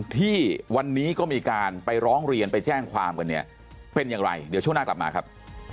ที่วันนี้ก็มีการไปร้องเรียนไปแจ้งความกันเนี่ยเป็นอย่างไรเดี๋ยวช่วงหน้ากลับมาครับ